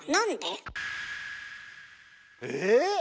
え